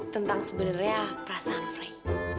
tentang sebenernya perasaan frey